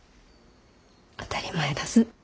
当たり前だす。